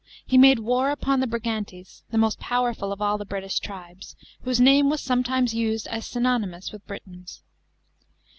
He made war upon the Brigantes, the most powerful of all the British tribes, whose name was sometimes used as synonymous with " Britons."